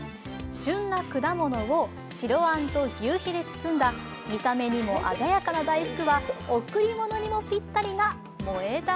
旬な果物を白あんとぎゅうひで包んだ見た目にも鮮やかな大福は贈り物にもぴったりな萌え断